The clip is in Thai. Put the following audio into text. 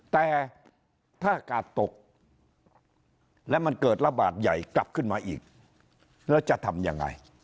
แต่ถ้ากาดตกและมันเกิดระบาดใหญ่กลับขึ้นมาอีกแล้วจะทำยังไง